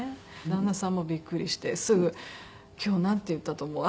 旦那さんもビックリしてすぐ「今日なんて言ったと思う？」